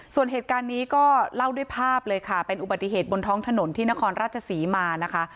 ส่วนเหตุการณ์นี้ก็เล่าด้วยภาพเลยค่ะเป็นอุบัติเหตุบนท้องถนนที่นครราชศรีมานะคะ